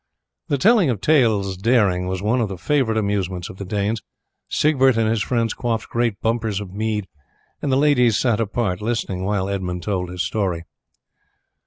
The telling of tales of daring was one of the favourite amusements of the Danes; Siegbert and his friends quaffed great bumpers of mead; and the ladies sat apart listening while Edmund told his story.